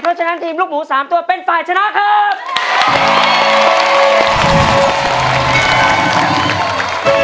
เพราะฉะนั้นทีมลูกหมู๓ตัวเป็นฝ่ายชนะครับ